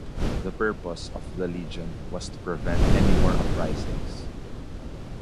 The purpose of the legion was to prevent any more uprisings.